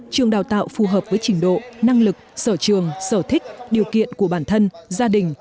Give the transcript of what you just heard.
trường đào tạo phù hợp với trình độ năng lực sở trường sở thích điều kiện của bản thân gia đình